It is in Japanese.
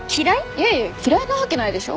いやいや嫌いなわけないでしょ。